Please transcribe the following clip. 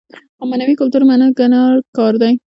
خو معنوي کلتور منل ګران کار دی.